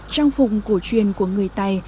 trong phùng cổ truyền của người tây